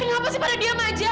kenapa sih pada diam aja